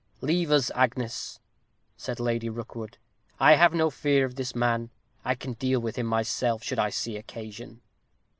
"Leave us, Agnes," said Lady Rookwood. "I have no fear of this man. I can deal with him myself, should I see occasion."